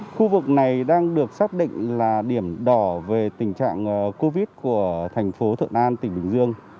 khu vực này đang được xác định là điểm đỏ về tình trạng covid của thành phố thuận an tỉnh bình dương